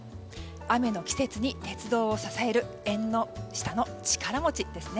雨の季節に鉄道を支える縁の下の力持ちですね。